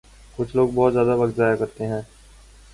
کچھ لوگ بہت زیادہ وقت ضائع کرتے ہیں